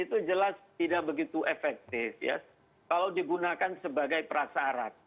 itu jelas tidak begitu efektif ya kalau digunakan sebagai prasarat